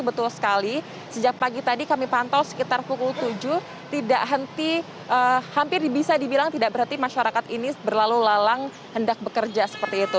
betul sekali sejak pagi tadi kami pantau sekitar pukul tujuh tidak henti hampir bisa dibilang tidak berhenti masyarakat ini berlalu lalang hendak bekerja seperti itu